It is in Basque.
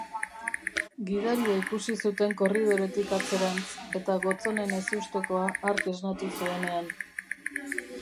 Gidaria ikusi zuten korridoretik atzerantz, eta Gotzonen ezustekoa hark esnatu zuenean.